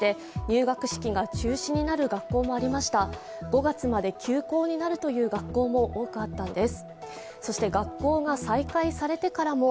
５月まで休校になるという学校も多くあったんです。